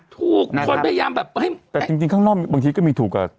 ถูกคนพยายามแบบเฮ้ยแต่จริงข้างนอกบางทีก็มีถูกกว่า